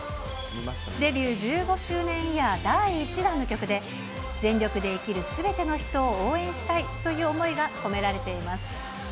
デビュー１５周年イヤー第１弾の曲で、全力で生きるすべての人を応援したいという思いが込められています。